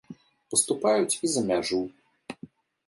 Паступаюць і за мяжу.